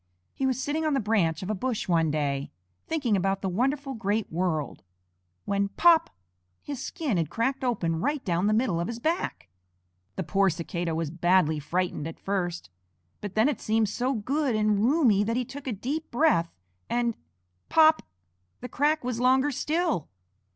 He was sitting on the branch of a bush one day, thinking about the wonderful great world, when pop! his skin had cracked open right down the middle of his back! The poor Cicada was badly frightened at first, but then it seemed so good and roomy that he took a deep breath, and pop! the crack was longer still!